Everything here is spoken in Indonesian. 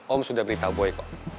om sudah beritahu boy kok